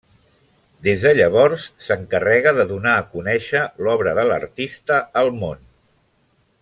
Des de llavors s'encarrega de donar a conèixer l'obra de l'artista al món.